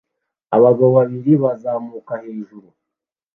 Abagabo babiri bazamuka hejuru